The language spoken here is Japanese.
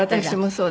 そう。